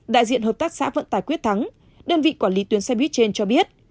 đại diện hợp tác xã vận tải quyết thắng đơn vị quản lý tuyến xe buýt trên cho biết